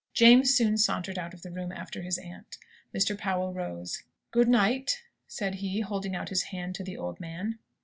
James soon sauntered out of the room after his aunt. Mr. Powell rose. "Good night," said he, holding out his hand to the old man.